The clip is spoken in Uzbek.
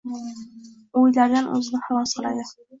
o‘ylardan o‘zini xalos qiladi.